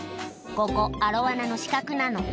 ここアロワナの死角なの」